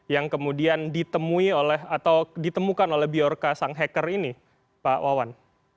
yang kemudian ditemui oleh atau ditemukan oleh biorka sang hacker ini pak wawan